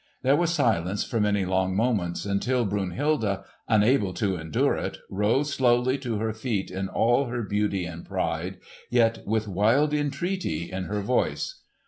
There was silence for many long moments, until Brunhilde, unable to endure it, rose slowly to her feet in all her beauty and pride, yet with wild entreaty in her voice.